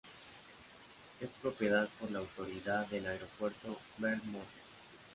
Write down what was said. Es propiedad por la Autoridad del Aeropuerto Bert Mooney.